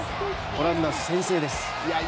オランダ先制です。